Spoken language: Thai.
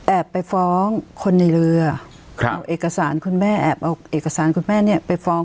ไปฟ้องคนในเรือเอาเอกสารคุณแม่แอบเอาเอกสารคุณแม่เนี่ยไปฟ้อง